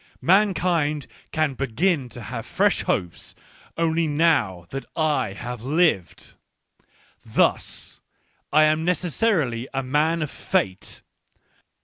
Mankind can begin to have fresh hopes, only now that I have lived. Thus, I am necessarily a man of Fate.